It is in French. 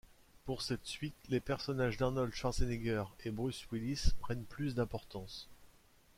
Pour cette suite, les personnages d'Arnold Schwarzenegger et Bruce Willis prennent plus d'importance.